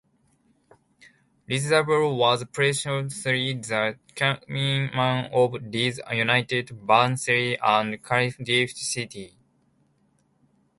Ridsdale was previously the chairman of Leeds United, Barnsley and Cardiff City.